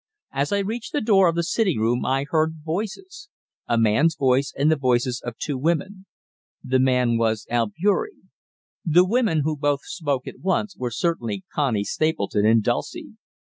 As I reached the door of the sitting room I heard voices a man's voice, and the voices of two women. The man was Albeury. The women, who both spoke at once, were certainly Connie Stapleton and Dulcie.